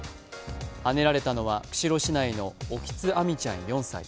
はねられたのは釧路市内の沖津亜海ちゃん４歳。